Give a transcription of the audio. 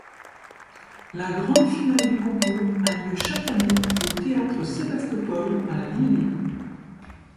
La grande finale du concours a lieu chaque année au théâtre Sébastopol, à Lille.